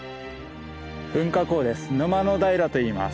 噴火口です。